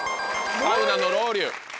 サウナのロウリュウ。